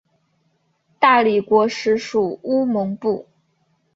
大理国时属乌蒙部。